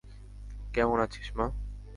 কেমন আছিস, মা?